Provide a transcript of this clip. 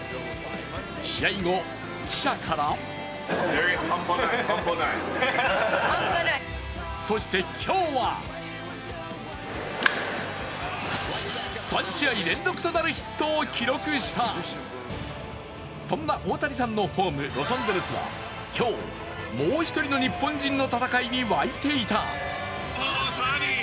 試合後、記者からそして今日は３試合連続となるヒットを記録したそんな大谷さんのホームロサンゼルスは今日、もう一人の日本人の戦いに沸いていた。